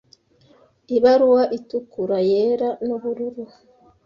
Ibaruwa itukura, yera nubururu